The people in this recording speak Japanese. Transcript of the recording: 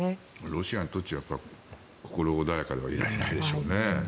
ロシアにとっちゃ心穏やかではいられないでしょうね。